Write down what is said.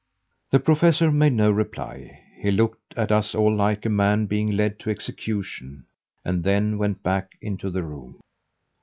The professor made no reply. He looked at us all like a man being led to execution, and then went back into the room.